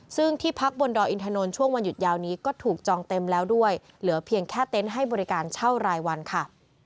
ซึ่งที่พักบนดอยอินทนนท์ช่วงวันหยุดยาวนี้ก็ถูกจองเต็มแล้วด้วยเหลือเพียงแค่เต็นต์ให้บริการเช่ารายวันค่ะ